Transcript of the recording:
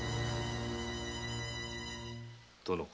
殿。